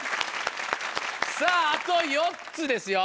さぁあと４つですよ。